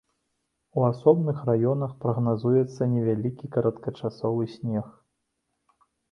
У асобных раёнах прагназуецца невялікі кароткачасовы снег.